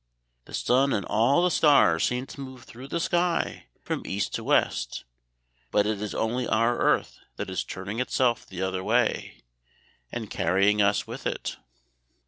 The sun and all the stars seem to move through the sky from east to west; but it is only our earth that is turning itself the other way, and carrying us with it."